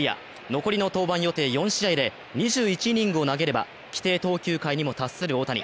残りの登板予定４試合で２１イニングを投げれば規定投球回にも達する大谷。